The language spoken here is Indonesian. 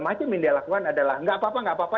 macam yang dia lakukan adalah nggak apa apa nggak apa apa